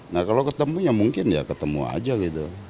nah kalau ketemunya mungkin ya ketemu aja gitu